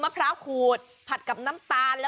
พร้าวขูดผัดกับน้ำตาล